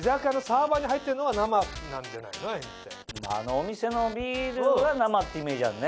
お店のビールは生ってイメージあるね。